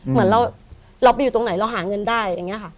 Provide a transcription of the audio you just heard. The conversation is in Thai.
เหมือนเราไปอยู่ตรงไหนเราหาเงินได้อย่างนี้ค่ะ